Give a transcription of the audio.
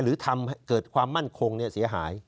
หรือทำเกิดความมั่นคงเนี่ยเสียหาย